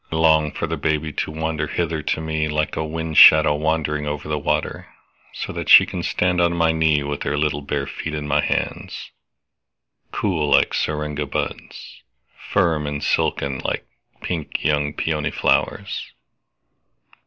I long for the baby to wander hither to meLike a wind shadow wandering over the water, So that she can stand on my kneeWith her little bare feet in my hands, Cool like syringa buds, Firm and silken like pink young peony flowers.